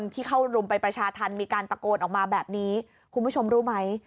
ประชาธรรมีการประโกนออกมาแบบนี้คุณผู้ชมรู้ไหม